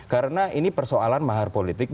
karena ini persoalan mahar politik